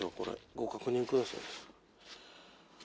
ご確認ください。